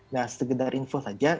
nah sekedar info saja